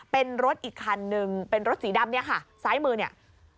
เป็นรถอีกคันนึงเป็นรถสีดำเนี่ยค่ะซ้ายมือเนี่ย